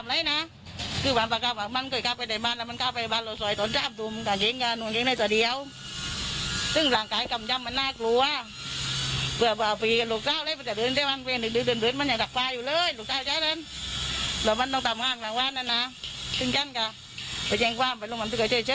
ไปไอ้ปากก้าวมาเชื่อเชื่อพี่ไม่ได้เอาไว้พี่ไม่ได้เจ็งความเลยนะ